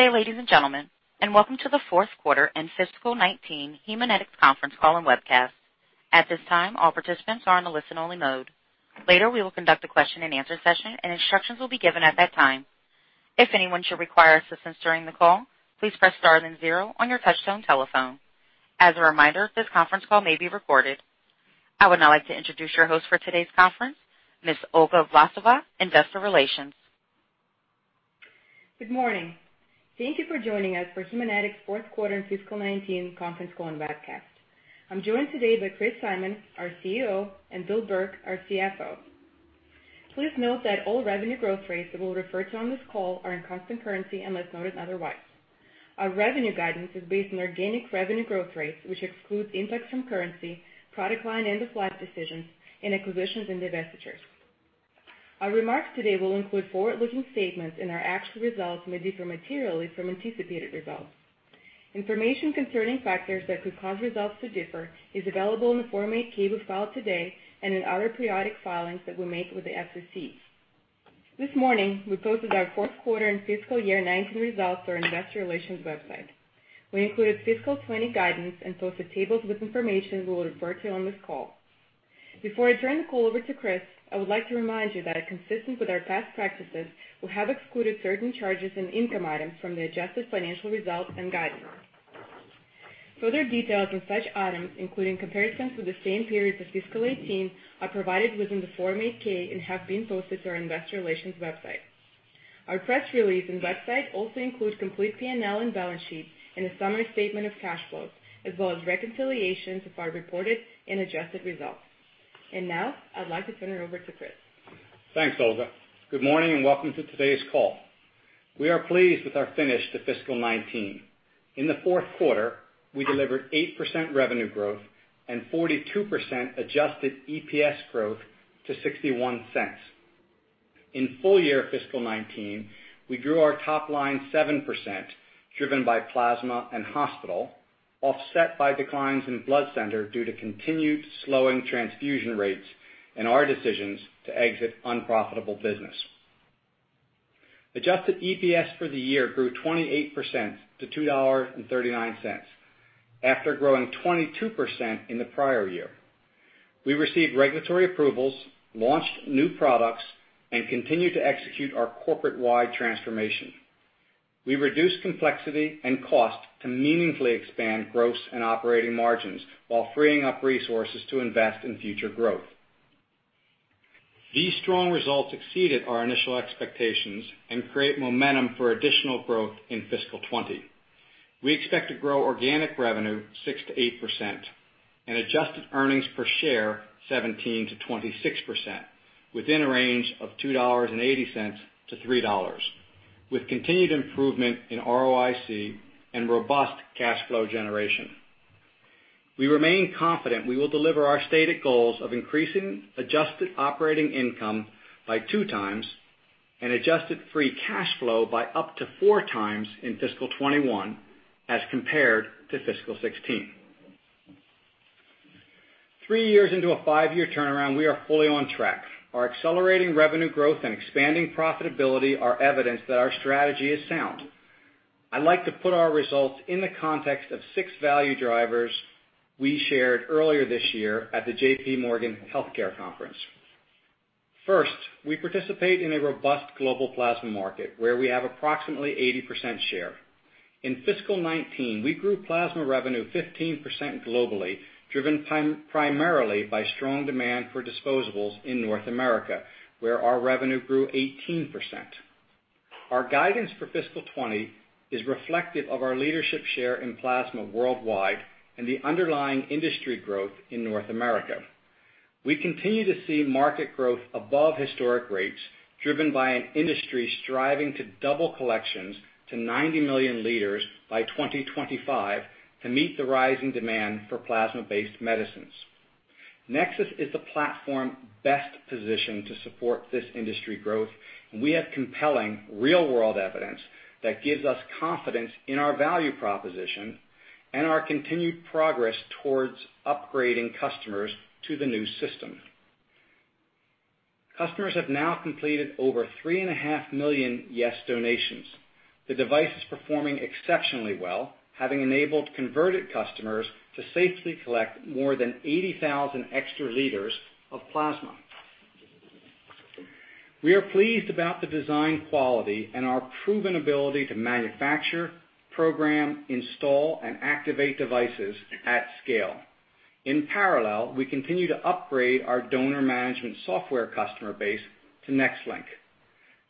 Good day, ladies and gentlemen, and welcome to the fourth quarter and fiscal 2019 Haemonetics conference call and webcast. At this time, all participants are in listen-only mode. Later, we will conduct a question-and-answer session, and instructions will be given at that time. If anyone should require assistance during the call, please press star then zero on your touchtone telephone. As a reminder, this conference call may be recorded. I would now like to introduce your host for today's conference, Ms. Olga Vlasova, investor relations. Good morning. Thank you for joining us for Haemonetics' fourth quarter and fiscal 2019 conference call and webcast. I am joined today by Christopher Simon, our CEO, and Bill Burke, our CFO. Please note that all revenue growth rates that we will refer to on this call are in constant currency, unless noted otherwise. Our revenue guidance is based on organic revenue growth rates, which excludes impacts from currency, product line end-of-life decisions, and acquisitions and divestitures. Our remarks today will include forward-looking statements, and our actual results may differ materially from anticipated results. Information concerning factors that could cause results to differ is available in the Form 8-K we filed today and in other periodic filings that we make with the SEC. This morning, we posted our fourth quarter and fiscal year 2019 results to our investor relations website. We included fiscal 2020 guidance and posted tables with information we will refer to on this call. Before I turn the call over to Chris, I would like to remind you that consistent with our past practices, we have excluded certain charges and income items from the adjusted financial results and guidance. Further details on such items, including comparisons with the same period for fiscal 2018, are provided within the Form 8-K and have been posted to our investor relations website. Our press release and website also include complete P&L and balance sheets and a summary statement of cash flows, as well as reconciliations of our reported and adjusted results. Now I would like to turn it over to Chris. Thanks, Olga. Good morning and welcome to today's call. We are pleased with our finish to fiscal 2019. In the fourth quarter, we delivered 8% revenue growth and 42% adjusted EPS growth to $0.61. In full year fiscal 2019, we grew our top line 7%, driven by Plasma and Hospital, offset by declines in Blood Center due to continued slowing transfusion rates and our decisions to exit unprofitable business. Adjusted EPS for the year grew 28% to $2.39 after growing 22% in the prior year. We received regulatory approvals, launched new products, and continued to execute our corporate-wide transformation. We reduced complexity and cost to meaningfully expand gross and operating margins while freeing up resources to invest in future growth. These strong results exceeded our initial expectations and create momentum for additional growth in fiscal 2020. We expect to grow organic revenue 6%-8% and adjusted earnings per share 17%-26%, within a range of $2.80-$3.00, with continued improvement in ROIC and robust cash flow generation. We remain confident we will deliver our stated goals of increasing adjusted operating income by two times and adjusted free cash flow by up to four times in fiscal 2021 as compared to fiscal 2016. Three years into a five-year turnaround, we are fully on track. Our accelerating revenue growth and expanding profitability are evidence that our strategy is sound. I'd like to put our results in the context of six value drivers we shared earlier this year at the J.P. Morgan Healthcare Conference. First, we participate in a robust global plasma market, where we have approximately 80% share. In fiscal 2019, we grew plasma revenue 15% globally, driven primarily by strong demand for disposables in North America, where our revenue grew 18%. Our guidance for fiscal 2020 is reflective of our leadership share in plasma worldwide and the underlying industry growth in North America. We continue to see market growth above historic rates, driven by an industry striving to double collections to 90 million liters by 2025 to meet the rising demand for plasma-based medicines. NexSys PCS is the platform best positioned to support this industry growth, and we have compelling real-world evidence that gives us confidence in our value proposition and our continued progress towards upgrading customers to the new system. Customers have now completed over 3.5 million YES donations. The device is performing exceptionally well, having enabled converted customers to safely collect more than 80,000 extra liters of plasma. We are pleased about the design quality and our proven ability to manufacture, program, install, and activate devices at scale. In parallel, we continue to upgrade our donor management software customer base to NexLynk DMS.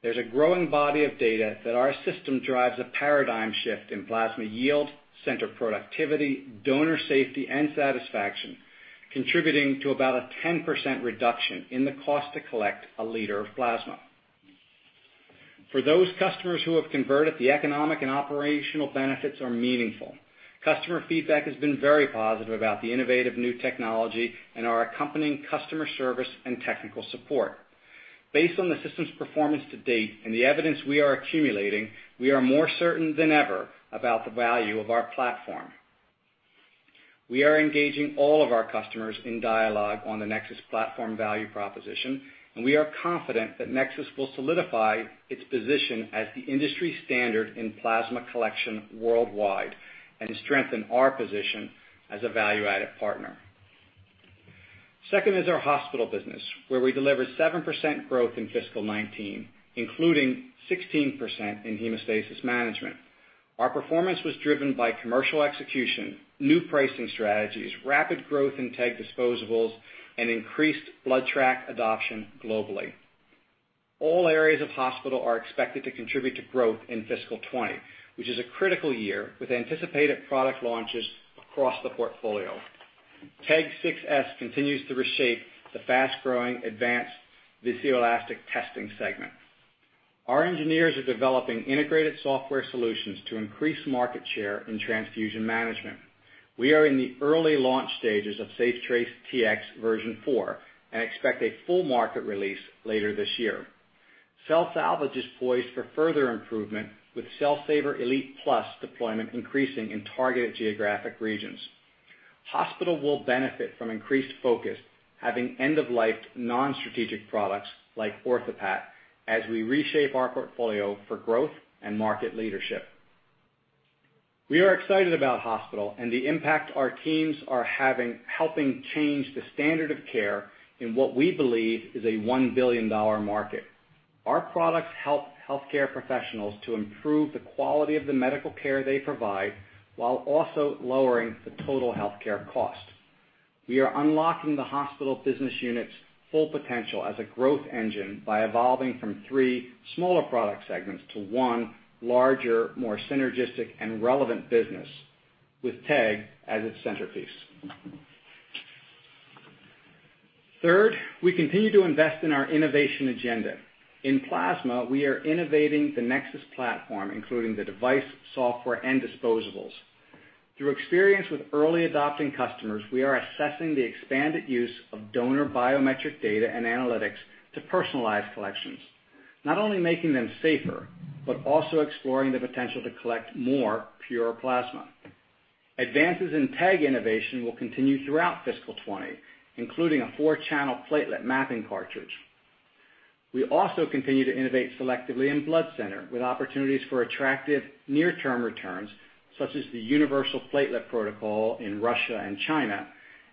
There's a growing body of data that our system drives a paradigm shift in plasma yield, center productivity, donor safety, and satisfaction, contributing to about a 10% reduction in the cost to collect a liter of plasma. For those customers who have converted, the economic and operational benefits are meaningful. Customer feedback has been very positive about the innovative new technology and our accompanying customer service and technical support. Based on the system's performance to date and the evidence we are accumulating, we are more certain than ever about the value of our platform. We are engaging all of our customers in dialogue on the NexSys PCS platform value proposition, and we are confident that NexSys PCS will solidify its position as the industry standard in plasma collection worldwide and strengthen our position as a value-added partner. Second is our hospital business, where we delivered 7% growth in fiscal 2019, including 16% in hemostasis management. Our performance was driven by commercial execution, new pricing strategies, rapid growth in TEG disposables, and increased SafeTrace Tx adoption globally. All areas of hospital are expected to contribute to growth in fiscal 2020, which is a critical year with anticipated product launches across the portfolio. TEG 6s continues to reshape the fast-growing advanced viscoelastic testing segment. Our engineers are developing integrated software solutions to increase market share in transfusion management. We are in the early launch stages of SafeTrace Tx version 4 and expect a full market release later this year. Cell Saver Elite+ deployment increasing in targeted geographic regions. hospital will benefit from increased focus, having end-of-life non-strategic products like OrthoPAT as we reshape our portfolio for growth and market leadership. We are excited about hospital and the impact our teams are having helping change the standard of care in what we believe is a $1 billion market. Our products help healthcare professionals to improve the quality of the medical care they provide, while also lowering the total healthcare cost. We are unlocking the hospital business unit's full potential as a growth engine by evolving from three smaller product segments to one larger, more synergistic, and relevant business with TEG as its centerpiece. We continue to invest in our innovation agenda. In plasma, we are innovating the NexSys platform, including the device, software, and disposables. Through experience with early-adopting customers, we are assessing the expanded use of donor biometric data and analytics to personalize collections, not only making them safer, but also exploring the potential to collect more pure plasma. Advances in TEG innovation will continue throughout fiscal 2020, including a four-channel platelet mapping cartridge. We also continue to innovate selectively in blood center with opportunities for attractive near-term returns, such as the universal platelet protocol in Russia and China,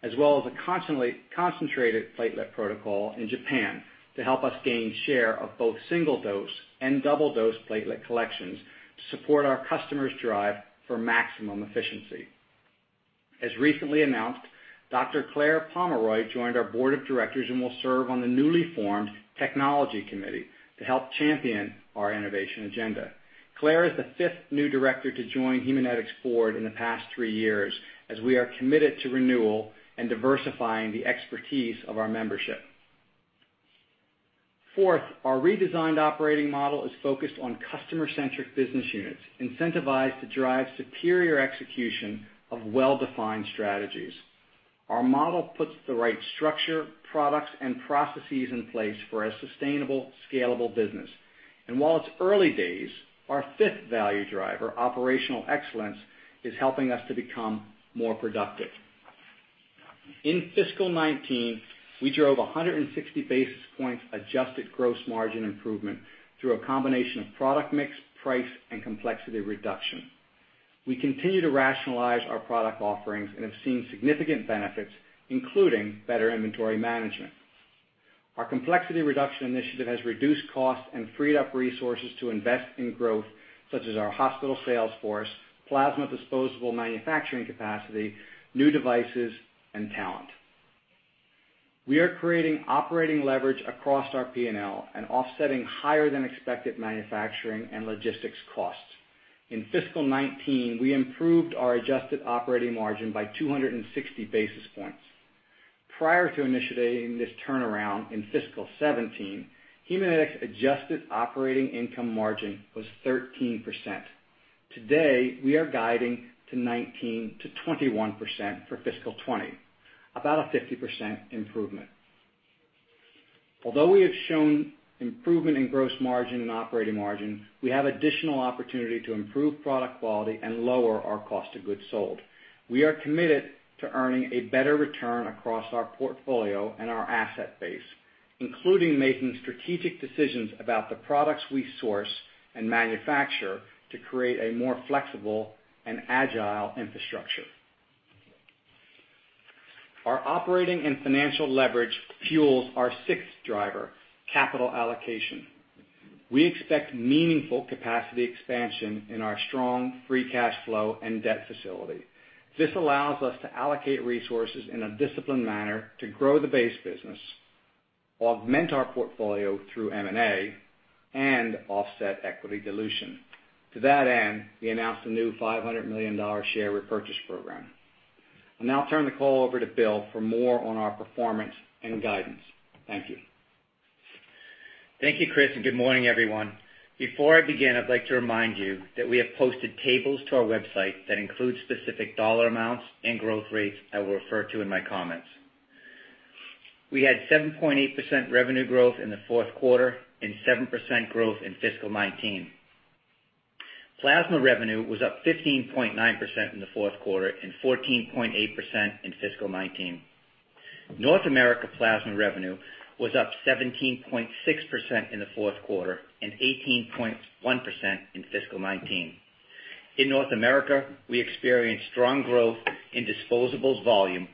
as well as a concentrated platelet protocol in Japan to help us gain share of both single-dose and double-dose platelet collections to support our customers' drive for maximum efficiency. As recently announced, Dr. Claire Pomeroy joined our board of directors and will serve on the newly formed technology committee to help champion our innovation agenda. Claire is the fifth new director to join Haemonetics board in the past three years, as we are committed to renewal and diversifying the expertise of our membership. Our redesigned operating model is focused on customer-centric business units incentivized to drive superior execution of well-defined strategies. Our model puts the right structure, products, and processes in place for a sustainable, scalable business. While it's early days, our fifth value driver, operational excellence, is helping us to become more productive. In fiscal 2019, we drove 160 basis points adjusted gross margin improvement through a combination of product mix, price, and complexity reduction. We continue to rationalize our product offerings and have seen significant benefits, including better inventory management. Our complexity reduction initiative has reduced costs and freed up resources to invest in growth such as our hospital sales force, plasma disposable manufacturing capacity, new devices, and talent. We are creating operating leverage across our P&L and offsetting higher-than-expected manufacturing and logistics costs. In fiscal 2019, we improved our adjusted operating margin by 260 basis points. Prior to initiating this turnaround in fiscal 2017, Haemonetics' adjusted operating income margin was 13%. Today, we are guiding to 19%-21% for fiscal 2020, about a 50% improvement. Although we have shown improvement in gross margin and operating margin, we have additional opportunity to improve product quality and lower our cost of goods sold. We are committed to earning a better return across our portfolio and our asset base, including making strategic decisions about the products we source and manufacture to create a more flexible and agile infrastructure. Our operating and financial leverage fuels our sixth driver, capital allocation. We expect meaningful capacity expansion in our strong free cash flow and debt facility. This allows us to allocate resources in a disciplined manner to grow the base business, augment our portfolio through M&A, and offset equity dilution. To that end, we announced a new $500 million share repurchase program. I'll now turn the call over to Bill for more on our performance and guidance. Thank you. Thank you, Chris, and good morning, everyone. Before I begin, I'd like to remind you that we have posted tables to our website that include specific dollar amounts and growth rates I will refer to in my comments. We had 7.8% revenue growth in the fourth quarter and 7% growth in fiscal 2019. Plasma revenue was up 15.9% in the fourth quarter and 14.8% in fiscal 2019. North America plasma revenue was up 17.6% in the fourth quarter and 18.1% in fiscal 2019. In North America, we experienced strong growth in disposables volume,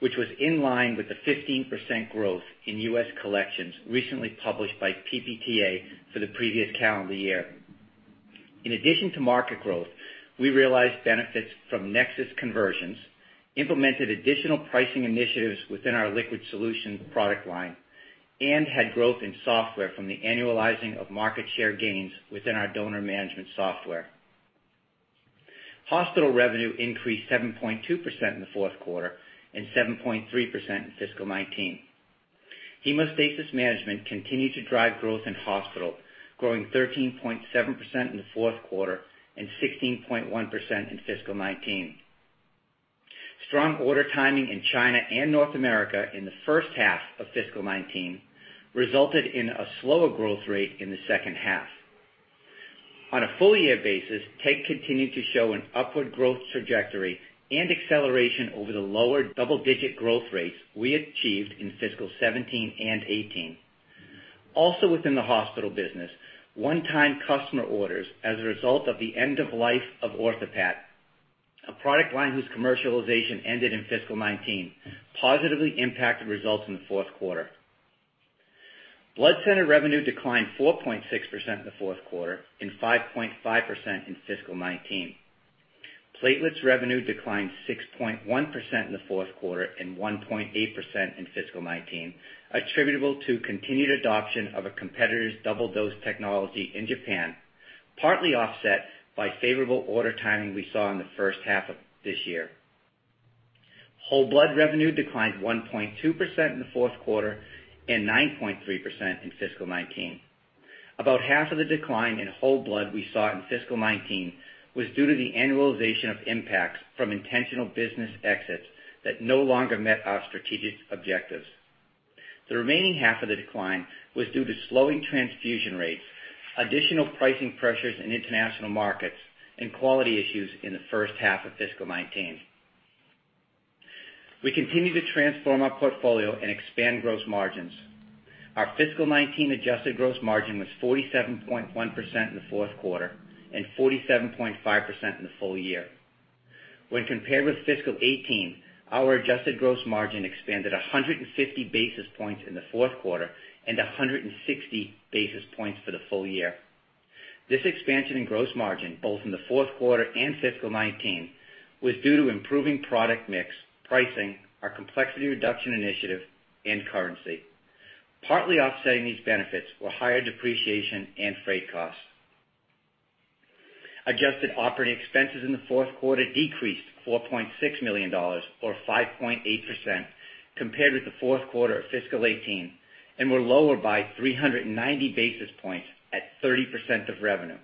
which was in line with the 15% growth in U.S. collections recently published by PPTA for the previous calendar year. In addition to market growth, we realized benefits from NexSys conversions, implemented additional pricing initiatives within our Liquid Solutions product line, and had growth in software from the annualizing of market share gains within our donor management software. Hospital revenue increased 7.2% in the fourth quarter and 7.3% in fiscal 2019. Hemostasis management continued to drive growth in hospital, growing 13.7% in the fourth quarter and 16.1% in fiscal 2019. Strong order timing in China and North America in the first half of fiscal 2019 resulted in a slower growth rate in the second half. On a full-year basis, TEG continued to show an upward growth trajectory and acceleration over the lower double-digit growth rates we achieved in fiscal 2017 and 2018. Also within the hospital business, one-time customer orders as a result of the end of life of OrthoPAT, a product line whose commercialization ended in fiscal 2019, positively impacted results in the fourth quarter. Blood center revenue declined 4.6% in the fourth quarter and 5.5% in fiscal 2019. Platelets revenue declined 6.1% in the fourth quarter and 1.8% in fiscal 2019, attributable to continued adoption of a competitor's double-dose technology in Japan, partly offset by favorable order timing we saw in the first half of this year. Whole blood revenue declined 1.2% in the fourth quarter and 9.3% in fiscal 2019. About half of the decline in whole blood we saw in fiscal 2019 was due to the annualization of impacts from intentional business exits that no longer met our strategic objectives. The remaining half of the decline was due to slowing transfusion rates, additional pricing pressures in international markets, and quality issues in the first half of fiscal 2019. We continue to transform our portfolio and expand gross margins. Our fiscal 2019 adjusted gross margin was 47.1% in the fourth quarter and 47.5% in the full year. When compared with fiscal 2018, our adjusted gross margin expanded 150 basis points in the fourth quarter and 160 basis points for the full year. This expansion in gross margin, both in the fourth quarter and fiscal 2019, was due to improving product mix, pricing, our Complexity Reduction Initiative, and currency. Partly offsetting these benefits were higher depreciation and freight costs. Adjusted operating expenses in the fourth quarter decreased $4.6 million, or 5.8%, compared with the fourth quarter of fiscal 2018, and were lower by 390 basis points at 30% of revenue.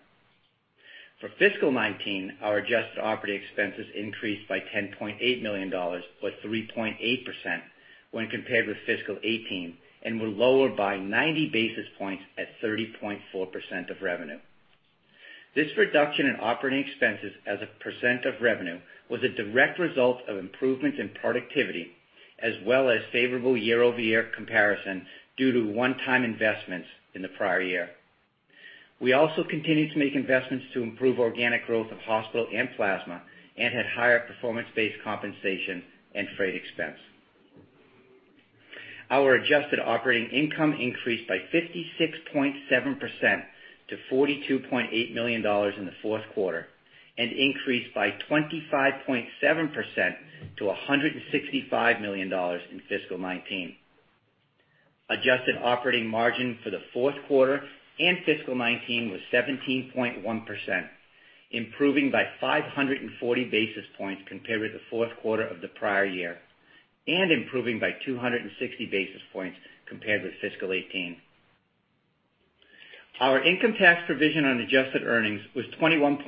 For fiscal 2019, our adjusted operating expenses increased by $10.8 million, or 3.8%, when compared with fiscal 2018, and were lower by 90 basis points at 30.4% of revenue. This reduction in operating expenses as a percent of revenue was a direct result of improvements in productivity, as well as favorable year-over-year comparison due to one-time investments in the prior year. We also continued to make investments to improve organic growth of hospital and plasma and had higher performance-based compensation and freight expense. Our adjusted operating income increased by 56.7% to $42.8 million in the fourth quarter, and increased by 25.7% to $165 million in fiscal 2019. Adjusted operating margin for the fourth quarter and fiscal 2019 was 17.1%, improving by 540 basis points compared with the fourth quarter of the prior year, and improving by 260 basis points compared with fiscal 2018. Our income tax provision on adjusted earnings was 21.6%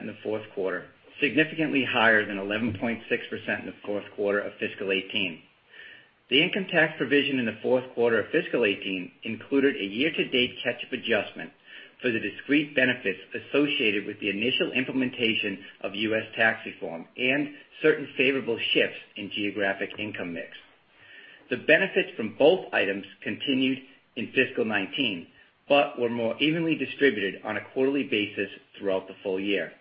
in the fourth quarter, significantly higher than 11.6% in the fourth quarter of fiscal 2018. The income tax provision in the fourth quarter of fiscal 2018 included a year-to-date catch-up adjustment for the discrete benefits associated with the initial implementation of U.S. tax reform and certain favorable shifts in geographic income mix. The benefits from both items continued in fiscal 2019, but were more evenly distributed on a quarterly basis throughout the full year.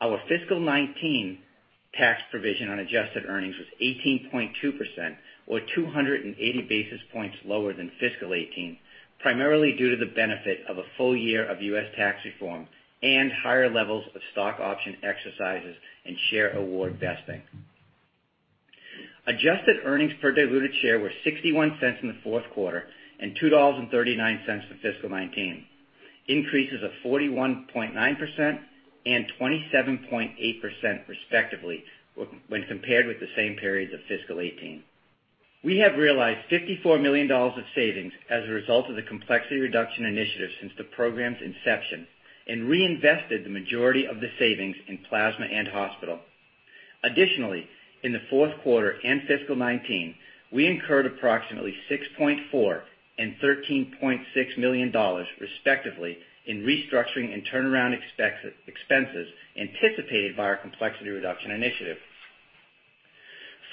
Our fiscal 2019 tax provision on adjusted earnings was 18.2%, or 280 basis points lower than fiscal 2018, primarily due to the benefit of a full year of U.S. tax reform and higher levels of stock option exercises and share award vesting. Adjusted earnings per diluted share were $0.61 in the fourth quarter and $2.39 for fiscal 2019, increases of 41.9% and 27.8% respectively when compared with the same periods of fiscal 2018. We have realized $54 million of savings as a result of the Complexity Reduction Initiative since the program's inception and reinvested the majority of the savings in plasma and hospital. Additionally, in the fourth quarter and fiscal 2019, we incurred approximately $6.4 and $13.6 million, respectively, in restructuring and turnaround expenses anticipated by our Complexity Reduction Initiative.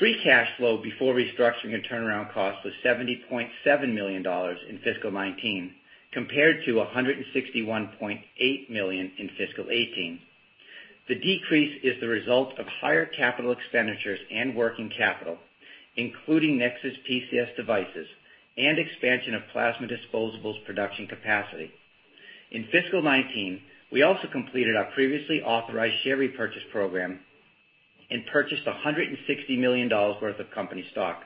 Free cash flow before restructuring and turnaround costs was $70.7 million in fiscal 2019, compared to $161.8 million in fiscal 2018. The decrease is the result of higher capital expenditures and working capital, including NexSys PCS devices and expansion of plasma disposables production capacity. In fiscal 2019, we also completed our previously authorized share repurchase program and purchased $160 million worth of company stock.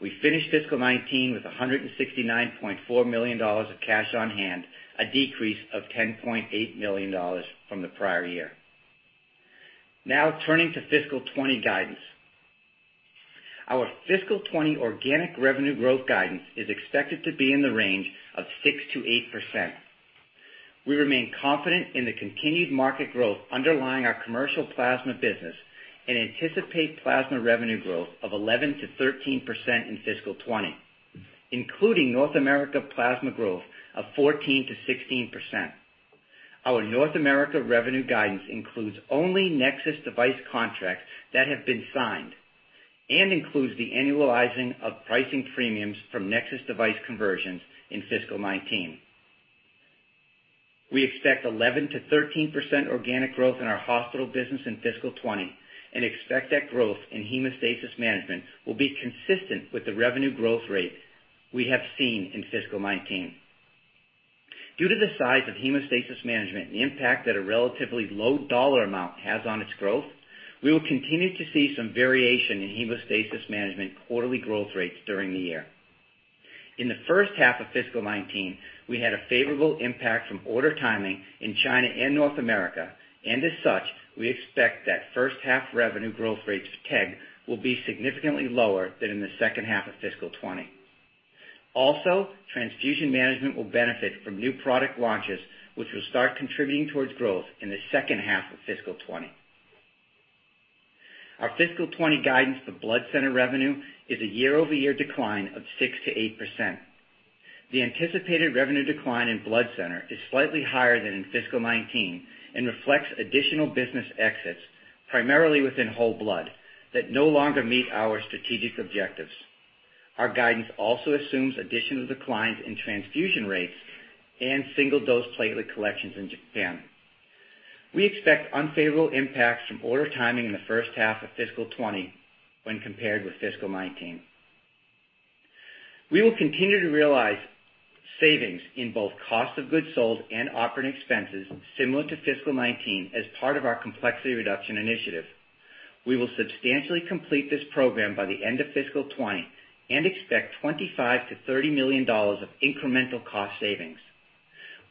We finished fiscal 2019 with $169.4 million of cash on hand, a decrease of $10.8 million from the prior year. Now turning to fiscal 2020 guidance. Our fiscal 2020 organic revenue growth guidance is expected to be in the range of 6%-8%. We remain confident in the continued market growth underlying our commercial plasma business and anticipate plasma revenue growth of 11%-13% in fiscal 2020, including North America plasma growth of 14%-16%. Our North America revenue guidance includes only NexSys device contracts that have been signed and includes the annualizing of pricing premiums from NexSys device conversions in fiscal 2019. We expect 11%-13% organic growth in our hospital business in fiscal 2020 and expect that growth in hemostasis management will be consistent with the revenue growth rate we have seen in fiscal 2019. Due to the size of hemostasis management and the impact that a relatively low dollar amount has on its growth, we will continue to see some variation in hemostasis management quarterly growth rates during the year. In the first half of fiscal 2019, we had a favorable impact from order timing in China and North America. As such, we expect that first half revenue growth rates, TEG, will be significantly lower than in the second half of fiscal 2020. Also, transfusion management will benefit from new product launches, which will start contributing towards growth in the second half of fiscal 2020. Our fiscal 2020 guidance for blood center revenue is a year-over-year decline of 6%-8%. The anticipated revenue decline in blood center is slightly higher than in fiscal 2019 and reflects additional business exits, primarily within whole blood, that no longer meet our strategic objectives. Our guidance also assumes additional declines in transfusion rates and single-dose platelet collections in Japan. We expect unfavorable impacts from order timing in the first half of fiscal 2020 when compared with fiscal 2019. We will continue to realize savings in both cost of goods sold and operating expenses similar to fiscal 2019 as part of our complexity reduction initiative. We will substantially complete this program by the end of fiscal 2020 and expect $25 million-$30 million of incremental cost savings.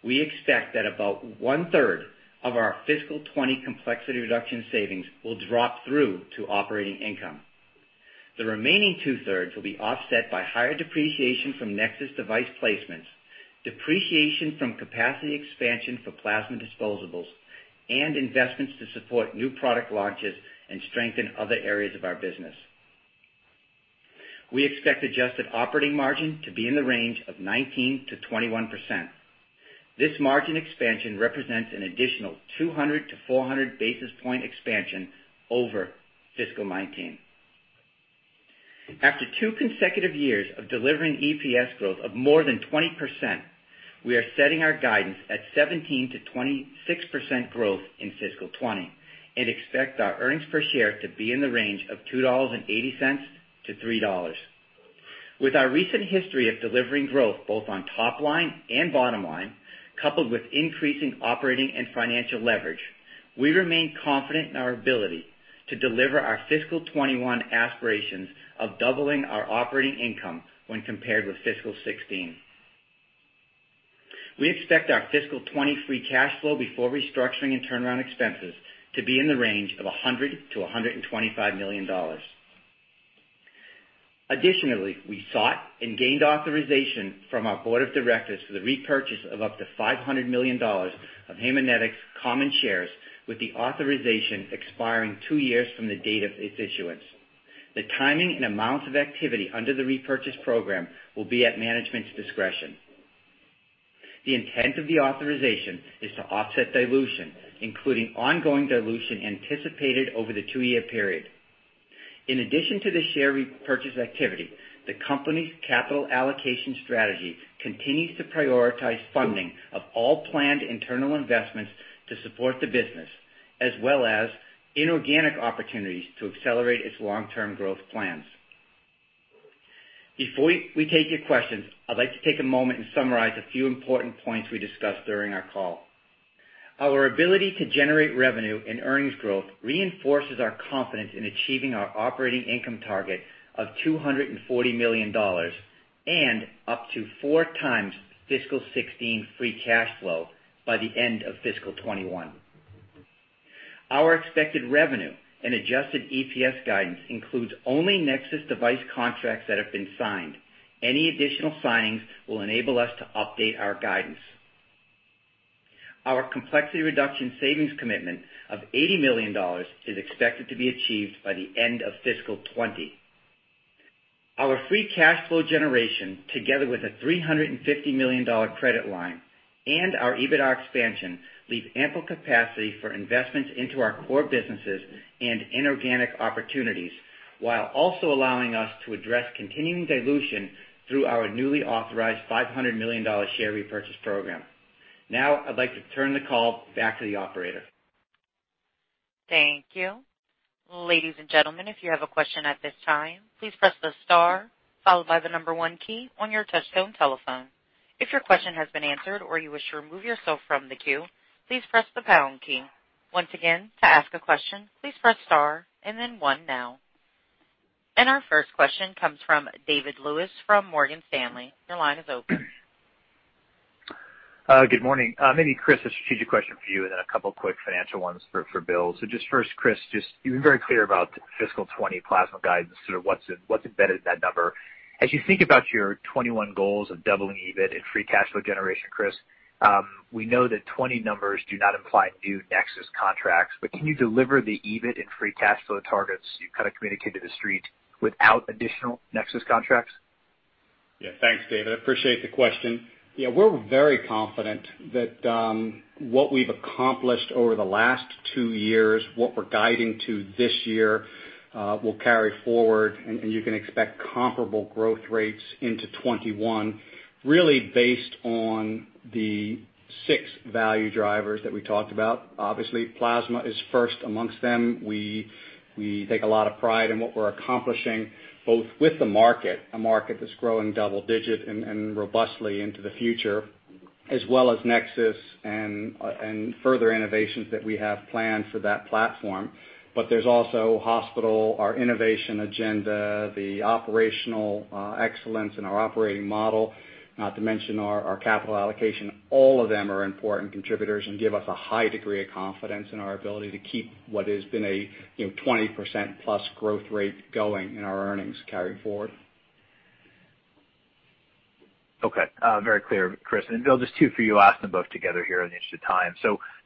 We expect that about one-third of our fiscal 2020 complexity reduction savings will drop through to operating income. The remaining two-thirds will be offset by higher depreciation from NexSys device placements, depreciation from capacity expansion for plasma disposables, and investments to support new product launches and strengthen other areas of our business. We expect adjusted operating margin to be in the range of 19%-21%. This margin expansion represents an additional 200-400 basis point expansion over fiscal 2019. After two consecutive years of delivering EPS growth of more than 20%, we are setting our guidance at 17%-26% growth in fiscal 2020 and expect our earnings per share to be in the range of $2.80-$3. With our recent history of delivering growth both on top line and bottom line, coupled with increasing operating and financial leverage, we remain confident in our ability to deliver our fiscal 2021 aspirations of doubling our operating income when compared with fiscal 2016. We expect our fiscal 2020 free cash flow before restructuring and turnaround expenses to be in the range of $100 million-$125 million. Additionally, we sought and gained authorization from our board of directors for the repurchase of up to $500 million of Haemonetics common shares, with the authorization expiring two years from the date of its issuance. The timing and amount of activity under the repurchase program will be at management's discretion. The intent of the authorization is to offset dilution, including ongoing dilution anticipated over the two-year period. In addition to the share repurchase activity, the company's capital allocation strategy continues to prioritize funding of all planned internal investments to support the business, as well as inorganic opportunities to accelerate its long-term growth plans. Before we take your questions, I'd like to take a moment and summarize a few important points we discussed during our call. Our ability to generate revenue and earnings growth reinforces our confidence in achieving our operating income target of $240 million and up to four times fiscal 2016 free cash flow by the end of fiscal 2021. Our expected revenue and adjusted EPS guidance includes only NexSys device contracts that have been signed. Any additional signings will enable us to update our guidance. Our complexity reduction savings commitment of $80 million is expected to be achieved by the end of fiscal 2020. Our free cash flow generation, together with a $350 million credit line and our EBITDA expansion, leave ample capacity for investments into our core businesses and inorganic opportunities, while also allowing us to address continuing dilution through our newly authorized $500 million share repurchase program. I'd like to turn the call back to the operator. Thank you. Ladies and gentlemen, if you have a question at this time, please press the star followed by the number one key on your touchtone telephone. If your question has been answered or you wish to remove yourself from the queue, please press the pound key. Once again, to ask a question, please press star and then one now. Our first question comes from David Lewis from Morgan Stanley. Your line is open. Good morning. Maybe Chris, a strategic question for you, and then a couple quick financial ones for Bill. Just first, Chris, you've been very clear about fiscal 2020 plasma guidance, sort of what's embedded in that number. As you think about your 2021 goals of doubling EBIT and free cash flow generation, Chris, we know that 2020 numbers do not imply new NexSys contracts. Can you deliver the EBIT and free cash flow targets you kind of communicate to The Street without additional NexSys contracts? Thanks, David. Appreciate the question. We're very confident that what we've accomplished over the last two years, what we're guiding to this year, will carry forward, and you can expect comparable growth rates into 2021 really based on the six value drivers that we talked about. Obviously, plasma is first amongst them. We take a lot of pride in what we're accomplishing, both with the market, a market that's growing double-digit and robustly into the future, as well as NexSys and further innovations that we have planned for that platform. There's also hospital, our innovation agenda, the operational excellence in our operating model, not to mention our capital allocation. All of them are important contributors and give us a high degree of confidence in our ability to keep what has been a 20%+ growth rate going in our earnings carry forward. Very clear, Chris. Bill, just two for you. Asking them both together here in the interest of time.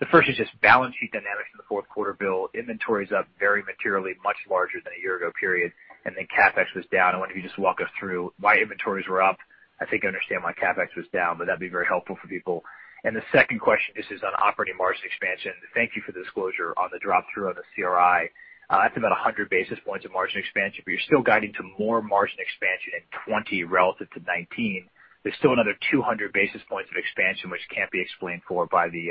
The first is just balance sheet dynamics in the fourth quarter, Bill. Inventory's up very materially, much larger than a year-ago period, CapEx was down. I wonder if you could just walk us through why inventories were up. I think I understand why CapEx was down, but that'd be very helpful for people. The second question is just on operating margin expansion. Thank you for the disclosure on the drop-through on the CRI. That's about 100 basis points of margin expansion, but you're still guiding to more margin expansion in 2020 relative to 2019. There's still another 200 basis points of expansion, which can't be explained for by the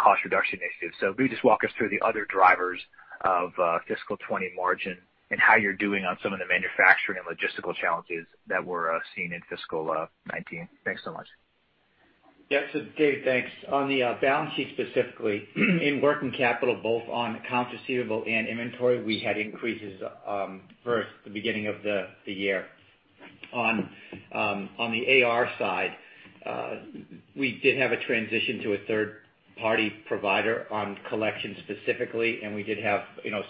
cost reduction initiatives. If you could just walk us through the other drivers of fiscal 2020 margin and how you're doing on some of the manufacturing and logistical challenges that were seen in fiscal 2019. Thanks so much. Dave, thanks. On the balance sheet specifically, in working capital, both on accounts receivable and inventory, we had increases, first, the beginning of the year. On the AR side, we did have a transition to a third-party provider on collections specifically, we did have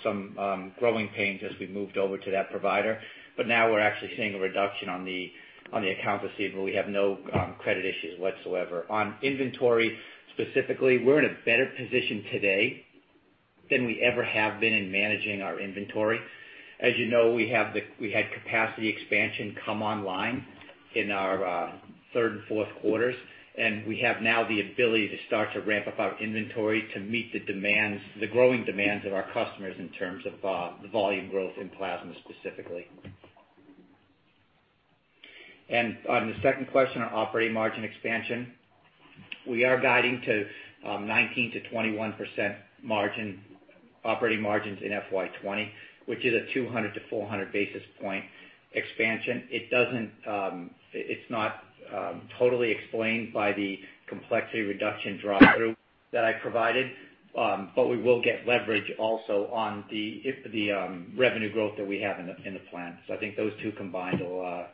some growing pains as we moved over to that provider. Now we're actually seeing a reduction on the accounts receivable. We have no credit issues whatsoever. On inventory specifically, we're in a better position today than we ever have been in managing our inventory. As you know, we had capacity expansion come online in our third and fourth quarters, we have now the ability to start to ramp up our inventory to meet the growing demands of our customers in terms of the volume growth in plasma specifically. On the second question on operating margin expansion, we are guiding to 19%-21% operating margins in FY 2020, which is a 200 to 400 basis point expansion. It's not totally explained by the complexity reduction drop-through that I provided, but we will get leverage also on the revenue growth that we have in the plan. I think those two combined will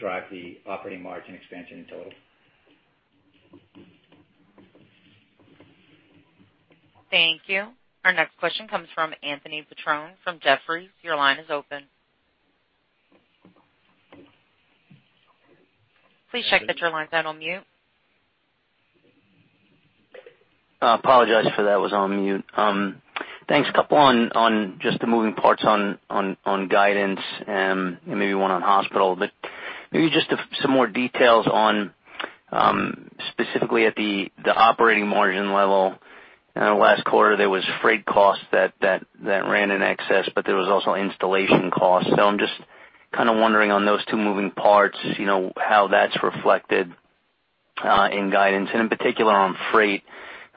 drive the operating margin expansion in total. Thank you. Our next question comes from Anthony Petrone from Jefferies. Your line is open. Please check that your line's not on mute. I apologize for that, I was on mute. Thanks. A couple on just the moving parts on guidance, maybe one on hospital. Maybe just some more details on specifically at the operating margin level. Last quarter, there was freight costs that ran in excess, but there was also installation costs. I'm just kind of wondering on those two moving parts, how that's reflected in guidance. In particular on freight,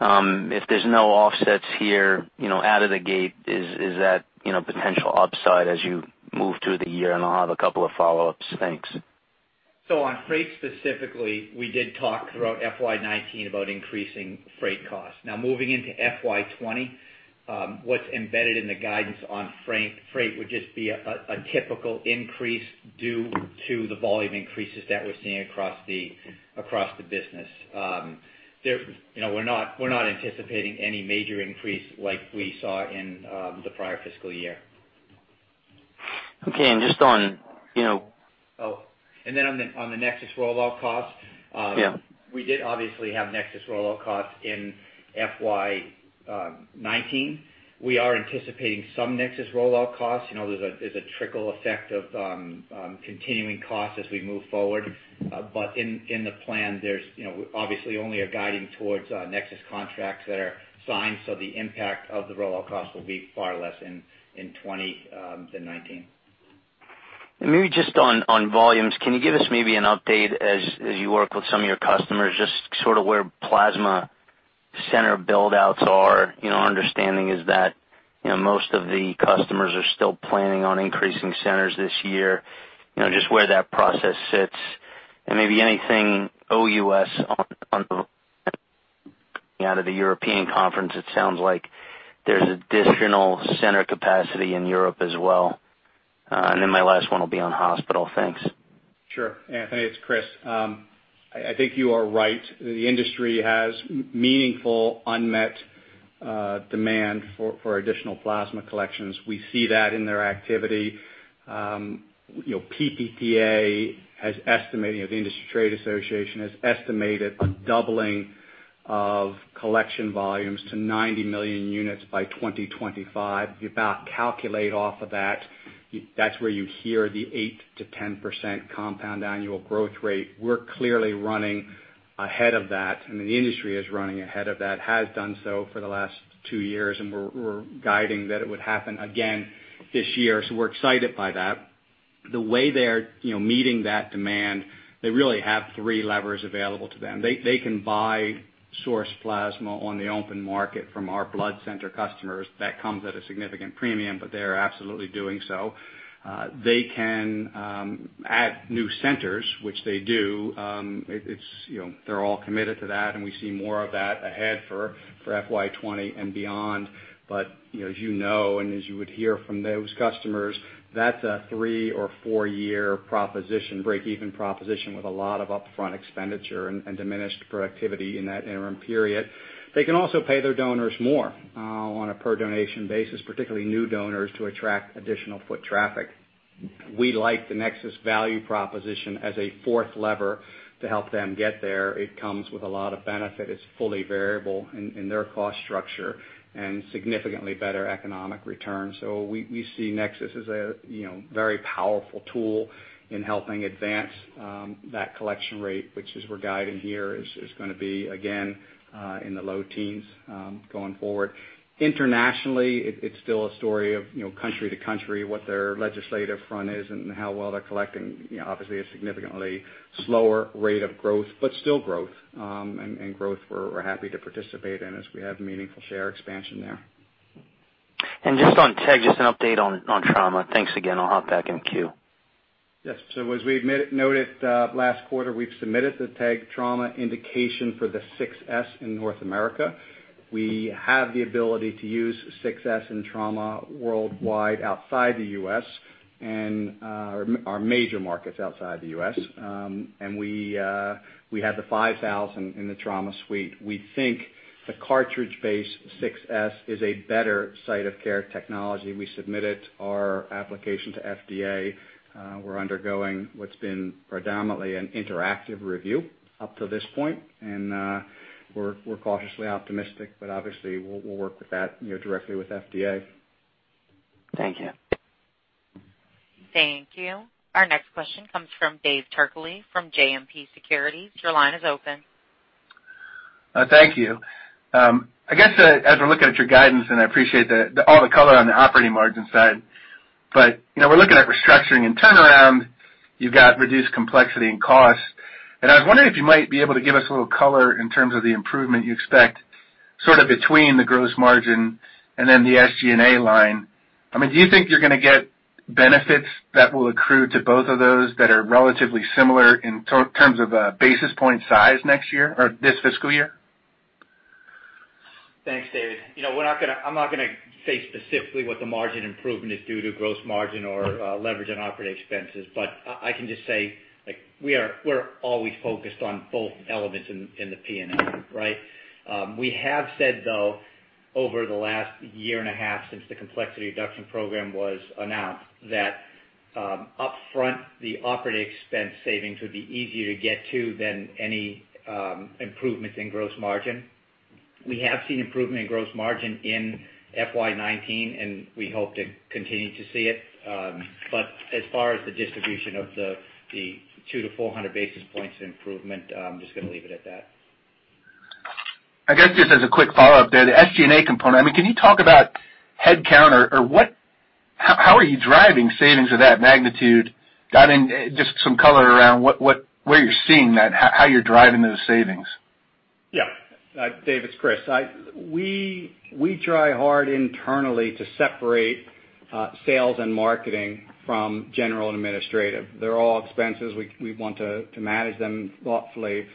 if there's no offsets here out of the gate, is that potential upside as you move through the year? I'll have a couple of follow-ups. Thanks. On freight specifically, we did talk throughout FY 2019 about increasing freight costs. Moving into FY 2020, what's embedded in the guidance on freight would just be a typical increase due to the volume increases that we're seeing across the business. We're not anticipating any major increase like we saw in the prior fiscal year. Okay. On the NexSys rollout. Yeah we did obviously have NexSys rollout costs in FY 2019. We are anticipating some NexSys rollout costs. There's a trickle effect of continuing costs as we move forward. In the plan, there's obviously only a guiding towards NexSys contracts that are signed, so the impact of the rollout cost will be far less in 2020 than 2019. Maybe just on volumes, can you give us maybe an update as you work with some of your customers, just sort of where plasma center build-outs are? Our understanding is that most of the customers are still planning on increasing centers this year, just where that process sits and maybe anything OUS on out of the European conference, it sounds like there's additional center capacity in Europe as well. My last one will be on hospital. Thanks. Sure. Anthony, it's Chris. I think you are right. The industry has meaningful unmet demand for additional plasma collections. We see that in their activity. PPTA, the Industry Trade Association, has estimated a doubling of collection volumes to 90 million units by 2025. If you about calculate off of that's where you hear the 8%-10% compound annual growth rate. We're clearly running ahead of that, and the industry is running ahead of that, has done so for the last two years. We're guiding that it would happen again this year, so we're excited by that. The way they're meeting that demand, they really have three levers available to them. They can buy source plasma on the open market from our blood center customers. That comes at a significant premium. They're absolutely doing so. They can add new centers, which they do. They're all committed to that, and we see more of that ahead for FY 2020 and beyond. As you know, and as you would hear from those customers, that's a three or four-year break-even proposition with a lot of upfront expenditure and diminished productivity in that interim period. They can also pay their donors more on a per-donation basis, particularly new donors, to attract additional foot traffic. We like the NexSys value proposition as a fourth lever to help them get there. It comes with a lot of benefit. It's fully variable in their cost structure and significantly better economic return. We see NexSys as a very powerful tool in helping advance that collection rate, which as we're guiding here, is going to be again, in the low teens, going forward. Internationally, it's still a story of country to country, what their legislative front is and how well they're collecting. Obviously, a significantly slower rate of growth, but still growth. Growth we're happy to participate in as we have meaningful share expansion there. Just on TEG, just an update on trauma. Thanks again. I'll hop back in queue. Yes. As we noted last quarter, we've submitted the TEG trauma indication for the 6s in North America. We have the ability to use 6s in trauma worldwide outside the U.S., our major markets outside the U.S. We have the 5,000 in the trauma suite. We think the cartridge-based 6s is a better site of care technology. We submitted our application to FDA. We're undergoing what's been predominantly an interactive review up to this point, and we're cautiously optimistic, but obviously, we'll work with that directly with FDA. Thank you. Thank you. Our next question comes from David Turkaly from JMP Securities. Your line is open. Thank you. I guess as we're looking at your guidance, and I appreciate all the color on the operating margin side, but we're looking at restructuring and turnaround. You've got reduced complexity and cost, and I was wondering if you might be able to give us a little color in terms of the improvement you expect, sort of between the gross margin and then the SG&A line. Do you think you're going to get benefits that will accrue to both of those that are relatively similar in terms of a basis point size next year or this fiscal year? Thanks, David. I'm not going to say specifically what the margin improvement is due to gross margin or leverage on operating expenses, but I can just say we're always focused on both elements in the P&L, right? We have said, though, over the last year and a half since the complexity reduction program was announced, that upfront, the operating expense savings would be easier to get to than any improvements in gross margin. We have seen improvement in gross margin in FY 2019, and we hope to continue to see it. As far as the distribution of the 200-400 basis points of improvement, I'm just going to leave it at that. I guess, just as a quick follow-up there, the SG&A component, can you talk about headcount or how are you driving savings of that magnitude? Just some color around where you're seeing that, how you're driving those savings. Dave, it's Chris. We try hard internally to separate sales and marketing from general and administrative. They're all expenses. We want to manage them thoughtfully.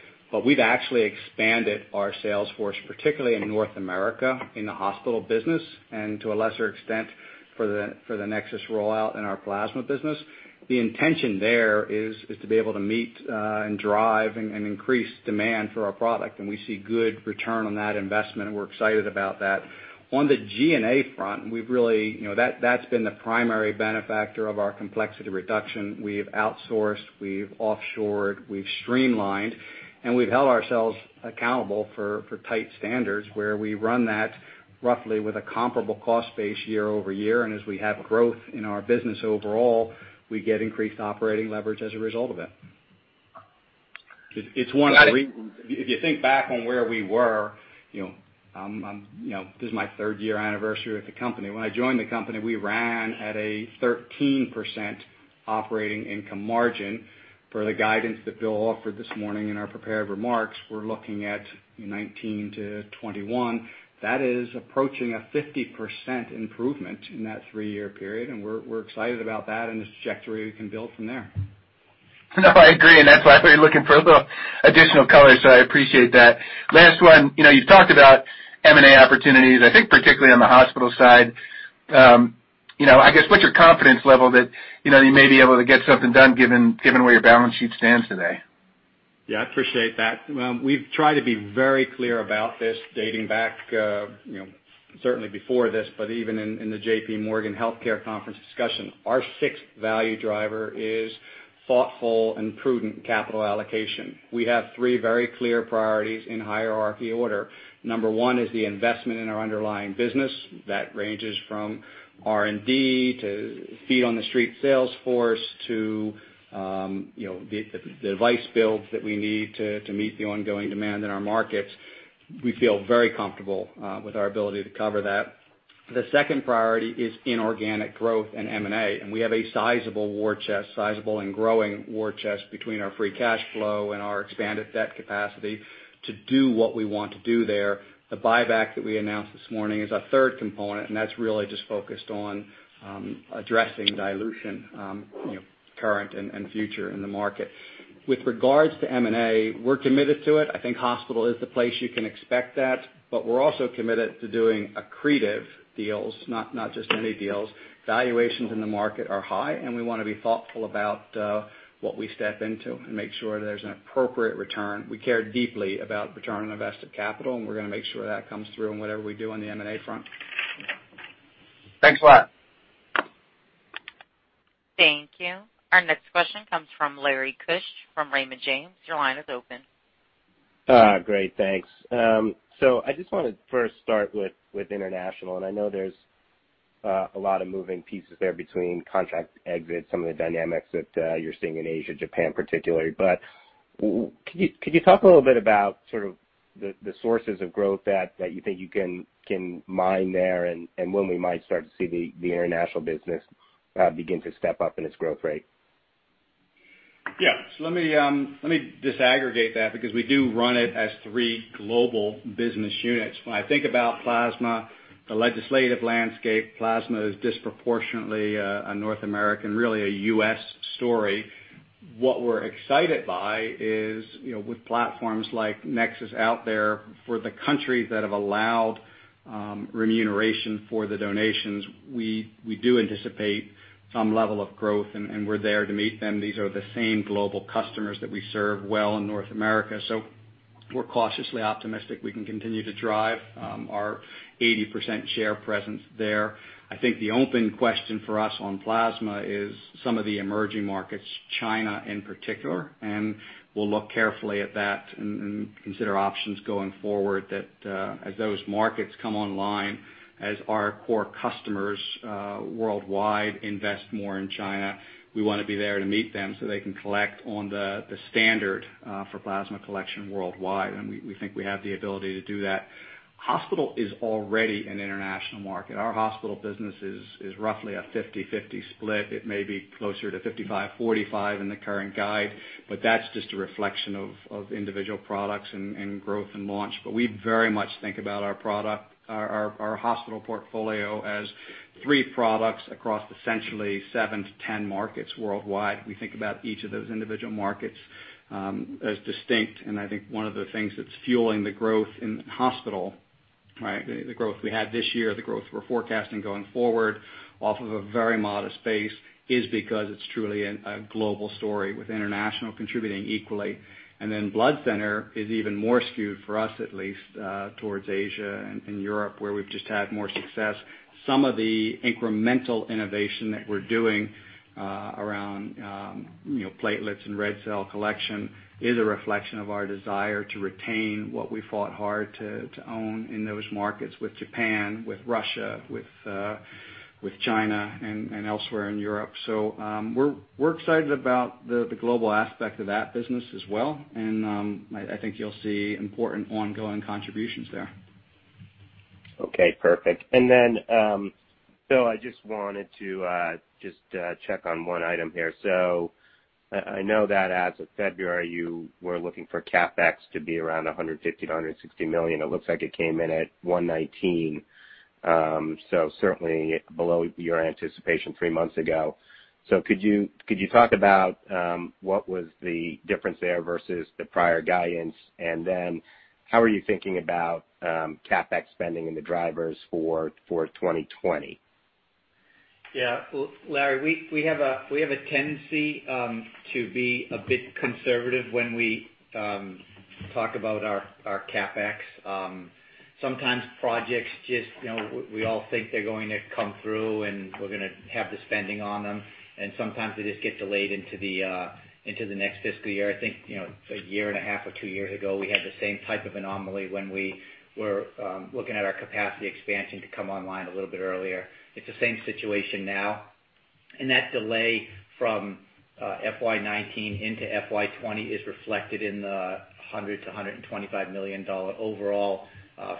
We've actually expanded our sales force, particularly in North America, in the hospital business, and to a lesser extent, for the NexSys rollout in our plasma business. The intention there is to be able to meet, drive, and increase demand for our product, and we see good return on that investment, and we're excited about that. On the G&A front, that's been the primary benefactor of our complexity reduction. We've outsourced, we've offshored, we've streamlined, and we've held ourselves accountable for tight standards, where we run that roughly with a comparable cost base year-over-year. As we have growth in our business overall, we get increased operating leverage as a result of it. If you think back on where we were, this is my third year anniversary with the company. When I joined the company, we ran at a 13% operating income margin. Per the guidance that Bill offered this morning in our prepared remarks, we're looking at 2019 to 2021. That is approaching a 50% improvement in that three-year period, and we're excited about that and the trajectory we can build from there. I agree, that's why I was looking for a little additional color, I appreciate that. Last one, you've talked about M&A opportunities, I think particularly on the hospital side. What's your confidence level that you may be able to get something done given where your balance sheet stands today? I appreciate that. We've tried to be very clear about this, dating back, certainly before this, even in the J.P. Morgan Healthcare Conference discussion. Our sixth value driver is thoughtful and prudent capital allocation. We have three very clear priorities in hierarchy order. Number one is the investment in our underlying business. That ranges from R&D to feet-on-the-street sales force to the device builds that we need to meet the ongoing demand in our markets. We feel very comfortable with our ability to cover that. The second priority is inorganic growth and M&A, we have a sizable war chest, sizable and growing war chest between our free cash flow and our expanded debt capacity to do what we want to do there. The buyback that we announced this morning is our third component, that's really just focused on addressing dilution, current and future in the market. With regards to M&A, we're committed to it. I think hospital is the place you can expect that. We're also committed to doing accretive deals, not just any deals. Valuations in the market are high, we want to be thoughtful about what we step into and make sure there's an appropriate return. We care deeply about return on invested capital, we're going to make sure that comes through in whatever we do on the M&A front. Thanks a lot. Thank you. Our next question comes from Larry Keusch from Raymond James. Your line is open. Great. Thanks. I just want to first start with international, and I know there's a lot of moving pieces there between contract exits, some of the dynamics that you're seeing in Asia, Japan particularly. Could you talk a little bit about the sources of growth that you think you can mine there, and when we might start to see the international business begin to step up in its growth rate? Yeah. Let me disaggregate that because we do run it as three global business units. When I think about plasma, the legislative landscape, plasma is disproportionately a North American, really a U.S. story. What we're excited by is with platforms like NexSys PCS out there for the countries that have allowed remuneration for the donations, we do anticipate some level of growth, and we're there to meet them. These are the same global customers that we serve well in North America. We're cautiously optimistic we can continue to drive our 80% share presence there. I think the open question for us on plasma is some of the emerging markets, China in particular. We'll look carefully at that and consider options going forward that as those markets come online, as our core customers worldwide invest more in China, we want to be there to meet them so they can collect on the standard for plasma collection worldwide, and we think we have the ability to do that. Hospital is already an international market. Our hospital business is roughly a 50/50 split. It may be closer to 55/45 in the current guide. That's just a reflection of individual products and growth and launch. We very much think about our hospital portfolio as three products across essentially seven to 10 markets worldwide. We think about each of those individual markets as distinct. I think one of the things that's fueling the growth in hospital, the growth we had this year, the growth we're forecasting going forward off of a very modest base, is because it's truly a global story with international contributing equally. Blood center is even more skewed for us, at least, towards Asia and Europe, where we've just had more success. Some of the incremental innovation that we're doing around platelets and red cell collection is a reflection of our desire to retain what we fought hard to own in those markets with Japan, with Russia, with China, and elsewhere in Europe. We're excited about the global aspect of that business as well, and I think you'll see important ongoing contributions there. Okay, perfect. Bill, I just wanted to check on one item here. I know that as of February, you were looking for CapEx to be around $150 million to $160 million. It looks like it came in at $119 million, so certainly below your anticipation three months ago. Could you talk about what was the difference there versus the prior guidance? How are you thinking about CapEx spending and the drivers for 2020? Well, Larry, we have a tendency to be a bit conservative when we talk about our CapEx. Sometimes projects, we all think they're going to come through, and we're going to have the spending on them, and sometimes they just get delayed into the next fiscal year. I think, a year and a half or two years ago, we had the same type of anomaly when we were looking at our capacity expansion to come online a little bit earlier. It's the same situation now. That delay from FY 2019 into FY 2020 is reflected in the $100 million to $125 million overall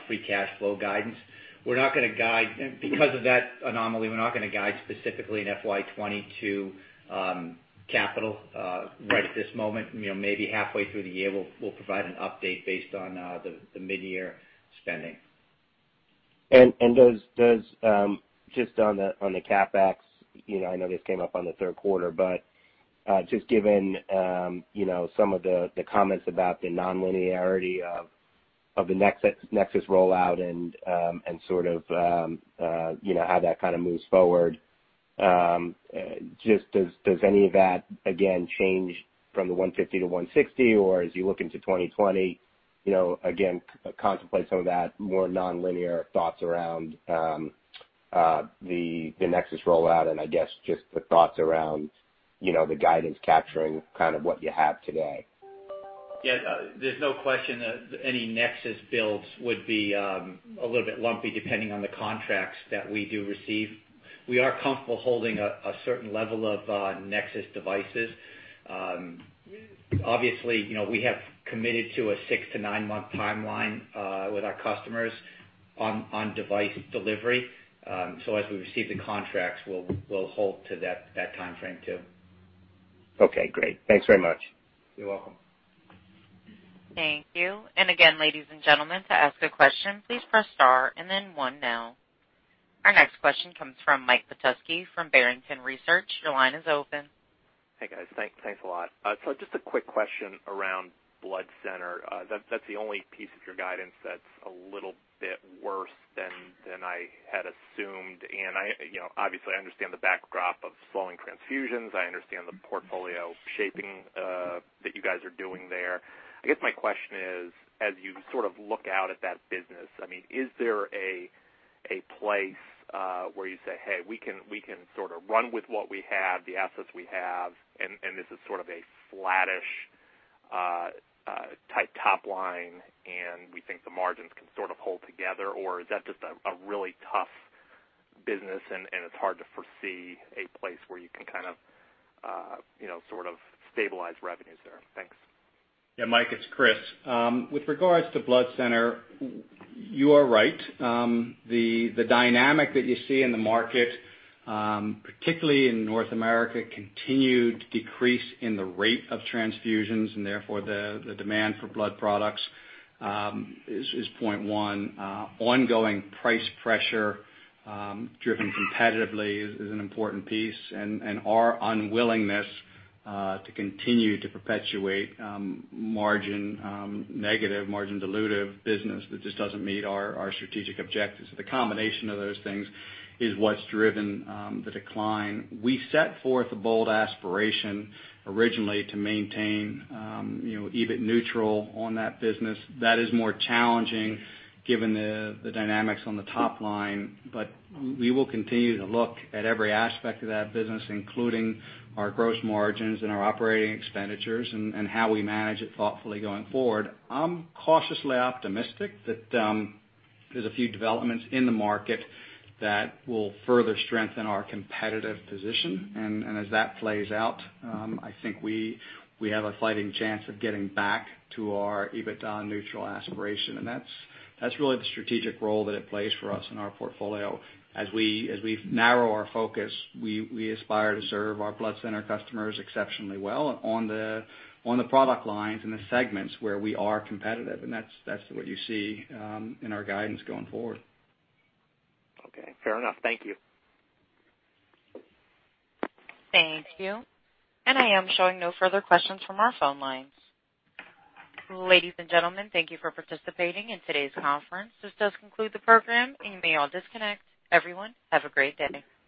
free cash flow guidance. Because of that anomaly, we're not going to guide specifically in FY 2020 to capital right at this moment. Maybe halfway through the year, we'll provide an update based on the mid-year spending. Just on the CapEx, I know this came up on the third quarter, but just given some of the comments about the nonlinearity of the NexSys rollout and how that kind of moves forward, just does any of that, again, change from the $150 million to $160 million? As you look into 2020, again, contemplate some of that more nonlinear thoughts around the NexSys rollout, and I guess, just the thoughts around the guidance capturing what you have today. There's no question that any NexSys builds would be a little bit lumpy, depending on the contracts that we do receive. We are comfortable holding a certain level of NexSys devices. Obviously, we have committed to a six to nine-month timeline with our customers on device delivery. As we receive the contracts, we'll hold to that timeframe too. Great. Thanks very much. You're welcome. Thank you. Again, ladies and gentlemen, to ask a question, please press star and then one now. Our next question comes from Mike Petusky from Barrington Research. Your line is open. Hey, guys. Thanks a lot. Just a quick question around Blood Center. That's the only piece of your guidance that's a little bit worse than I had assumed. Obviously, I understand the backdrop of slowing transfusions. I understand the portfolio shaping that you guys are doing there. I guess my question is: as you look out at that business, is there a place where you say, "Hey, we can run with what we have, the assets we have, and this is sort of a flattish type top line, and we think the margins can hold together"? Or is that just a really tough business, and it's hard to foresee a place where you can sort of stabilize revenues there? Thanks. Mike, it's Chris. With regards to Blood Center, you are right. The dynamic that you see in the market, particularly in North America, continued decrease in the rate of transfusions, and therefore the demand for blood products is point 1. Ongoing price pressure driven competitively is an important piece, and our unwillingness to continue to perpetuate margin negative, margin dilutive business that just doesn't meet our strategic objectives. The combination of those things is what's driven the decline. We set forth a bold aspiration originally to maintain EBIT neutral on that business. That is more challenging given the dynamics on the top line. We will continue to look at every aspect of that business, including our gross margins and our operating expenditures and how we manage it thoughtfully going forward. I'm cautiously optimistic that there's a few developments in the market that will further strengthen our competitive position. As that plays out, I think we have a fighting chance of getting back to our EBITDA neutral aspiration, and that's really the strategic role that it plays for us in our portfolio. As we narrow our focus, we aspire to serve our Blood Center customers exceptionally well on the product lines and the segments where we are competitive, and that's what you see in our guidance going forward. Okay. Fair enough. Thank you. Thank you. I am showing no further questions from our phone lines. Ladies and gentlemen, thank you for participating in today's conference. This does conclude the program, and you may all disconnect. Everyone, have a great day.